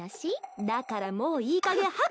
だからもういいかげん白状して。